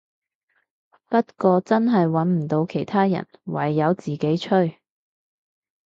不過真係穩唔到其他人，唯有自己吹